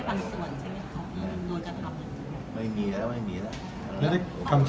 แม่งแม่งแม่งแม่งแม่งแม่งแม่งแม่ง